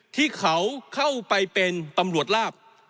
ที่เขาเข้าไปเป็นตำรวจลาบ